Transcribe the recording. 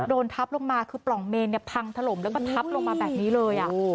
โดนทับลงมาคือปล่องเมนพังถล่มแล้วก็ทับลงมาแบบนี้เลย